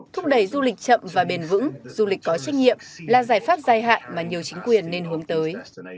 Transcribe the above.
thúc đẩy du lịch chậm và bền vững du lịch có trách nhiệm là giải pháp dài hạn mà nhiều chính quyền nên hướng tới